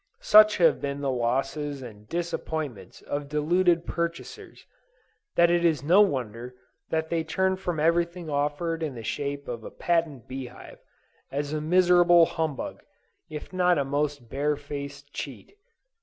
Such have been the losses and disappointments of deluded purchasers, that it is no wonder that they turn from everything offered in the shape of a patent bee hive, as a miserable humbug, if not a most bare faced cheat.